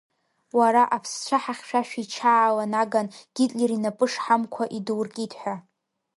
Уара аԥсцәаҳа хьшәашәа ичаала наган Гитлер инапы шҳамқәа идуркит ҳәа.